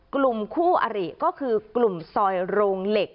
กลุ่มคู่อริก็คือกลุ่มซอยโรงเหล็ก